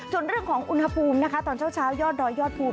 ส่วนเรื่องของอุณหภูมินะคะตอนเช้ายอดดอยยอดภูมิ